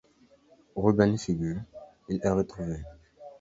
Reuben fugue, il est retrouvé.